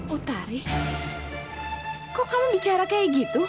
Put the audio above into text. utari kok kamu bicara kayak gitu